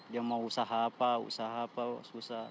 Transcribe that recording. dia mau usaha apa usaha apa susah